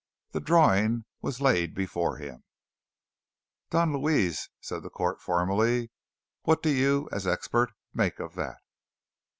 The drawing was laid before him. "Don Luis," said the court formally, "what do you, as expert, make of that?"